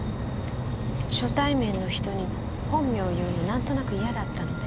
初対面の人に本名を言うの何となく嫌だったので。